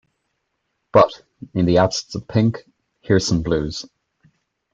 But, in the absence of pink, here's some blues.